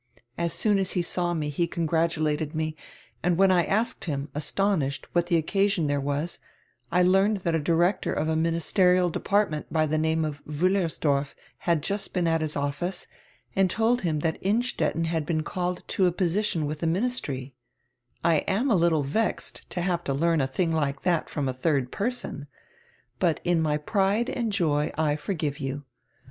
As soon as he saw me he congratulated me, and when I asked him, astonished, what occasion diere was, I learned diat a director of a ministerial department by die name of Wiillersdorf had just been at his office and told him tiiat Innstetten had been called to a position with the ministry, I am a little vexed to have to learn a tiling like diat from a diird person. But in my pride and joy I forgive you.